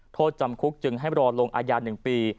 โทษจำคุกจึงให้รอลงอาญา๑ปี